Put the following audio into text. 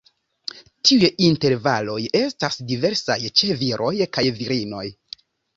Tiuj intervaloj estas diversaj ĉe viroj kaj virinoj.